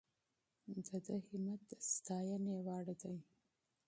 د ده همت د ستاینې وړ دی.